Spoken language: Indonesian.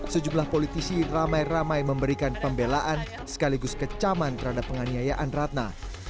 sejumlah politisi ramai ramai memberikan pembelaan sekaligus kecaman terhadap penganiayaan ratna